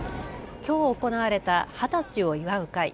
きょう行われた二十歳を祝う会。